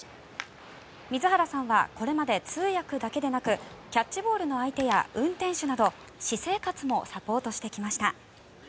水原さんはこれまで通訳だけでなくキャッチボールの相手や運転手など私生活もサポートしてきました。